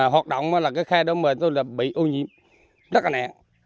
hoạt động khai đá mài bị ô nhiễm rất nẹn